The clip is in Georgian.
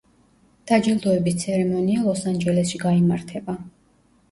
დაჯილდოების ცერემონია ლოს-ანჯელესში გაიმართება.